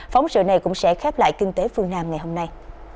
phóng sự này cũng sẽ khép lại kinh tế phương nam ngày hôm nay